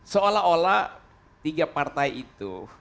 seolah olah tiga partai itu